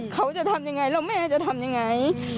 เขาจะทำอย่างไรแล้วแม่จะทำอย่างไร